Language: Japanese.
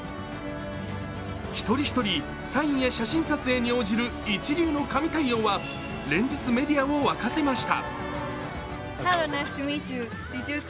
一人一人サインや写真撮影に応じる一流の神対応は連日、メディアを沸かせました。